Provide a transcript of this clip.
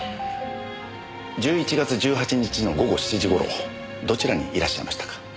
１１月１８日の午後７時頃どちらにいらっしゃいましたか？